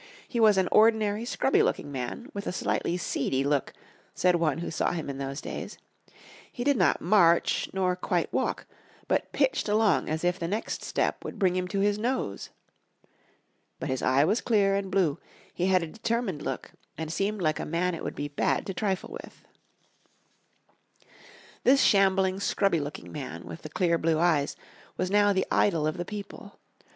He was an "ordinary, scrubby looking man, with a slightly seedy look," said one who saw him in those days. "He did not march nor quite walk, but pitched along as if the next step would bring him to his nose." But his eye was clear and blue, he had a determined look, and seemed like a man it would be bad to trifle with. This shambling, scrubby looking man, with the clear blue eyes, was now the idol of the people.